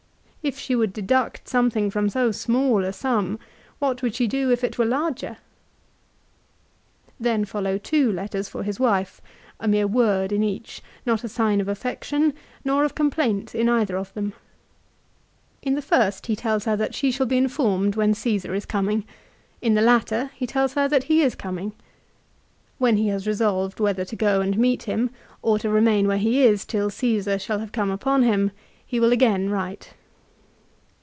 If she would deduct something from so small a sum, what would she do if it were larger ? 2 Then follow two letters for his wife, a mere word in each, not a sign of affection, nor of complaint in either of them. In the first he tells her she shall be informed when Caesar is coming, in the latter that he is coming. When he has resolved whether to go and meet him or to remain where he is till Caesar shall have come upon him, 1 Ad Att. lib. xi. 24. * Ad Att. Ibid. AFTER THE BATTLE. 163 he wi]l again write.